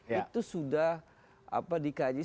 itu sudah dikaji kebutuhan